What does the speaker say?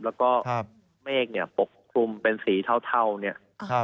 เหม็งของเมฆเนี่ยปกคลุมเป็นสีเทาเนี่ย